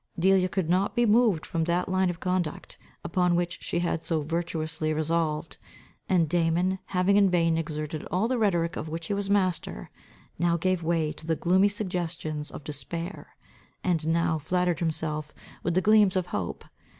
Delia could not be moved from that line of conduct, upon which she had so virtuously resolved. And Damon having in vain exerted all the rhetoric of which he was master, now gave way to the gloomy suggestions of despair, and now flattered himself with the gleams of hope.